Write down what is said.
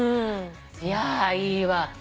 いやいいわ。